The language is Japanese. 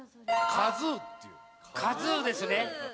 カズーですね。